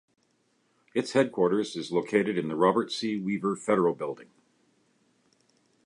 Its headquarters is located in the Robert C. Weaver Federal Building.